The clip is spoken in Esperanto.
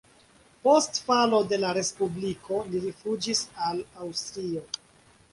Post falo de la respubliko li rifuĝis al Aŭstrio.